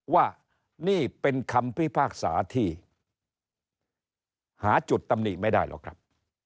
ว่านี่เป็นคำพิพากษาที่หาจุดตำหนิไม่ได้หรอกครับ